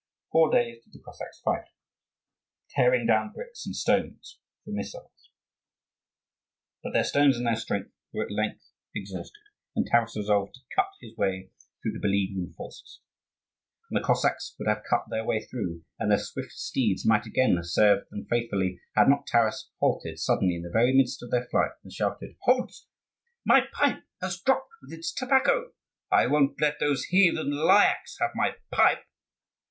Four days did the Cossacks fight, tearing down bricks and stones for missiles. But their stones and their strength were at length exhausted, and Taras resolved to cut his way through the beleaguering forces. And the Cossacks would have cut their way through, and their swift steeds might again have served them faithfully, had not Taras halted suddenly in the very midst of their flight, and shouted, "Halt! my pipe has dropped with its tobacco: I won't let those heathen Lyakhs have my pipe!"